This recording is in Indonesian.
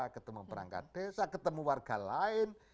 ketemu perangkat desa ketemu warga lain